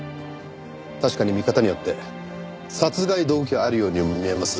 確かに見方によって殺害動機があるようにも見えます。